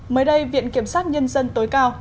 mới đây viện kiểm soát nhân dân tối cao